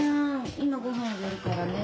今ごはんあげるからね。